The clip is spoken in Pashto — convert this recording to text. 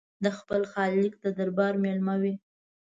د خپل خالق د دربار مېلمانه وي.